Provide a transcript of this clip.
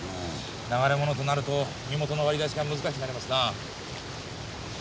流れ者となると身元の割り出しが難しくなりますな。